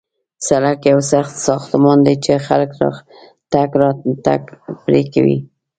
سړک یو سخت ساختمان دی چې خلک تګ راتګ پرې کوي